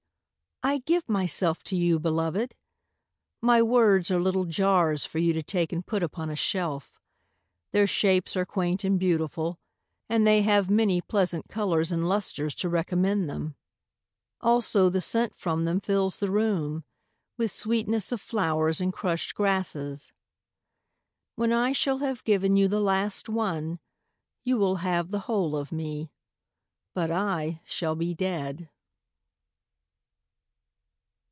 I give myself to you, Beloved! My words are little jars For you to take and put upon a shelf. Their shapes are quaint and beautiful, And they have many pleasant colours and lustres To recommend them. Also the scent from them fills the room With sweetness of flowers and crushed grasses. When I shall have given you the last one, You will have the whole of me, But I shall be dead.